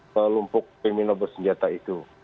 kelompok kriminal bersenjata itu